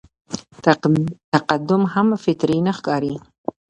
تقدم هم فطري نه ښکاري.